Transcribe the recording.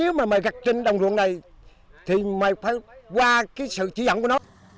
nếu mà mày gặt trên đồng ruộng này thì mày phải qua cái sự chỉ dẫn của nó